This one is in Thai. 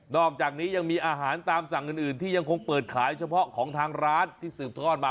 อกจากนี้ยังมีอาหารตามสั่งอื่นที่ยังคงเปิดขายเฉพาะของทางร้านที่สืบทอดมา